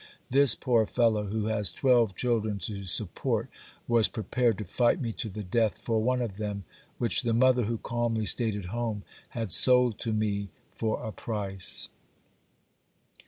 This poor fellow who has twelve children to support was prepared to fight me to the death for one of them, which the mother, who calmly stayed at home, had sold to me for a price."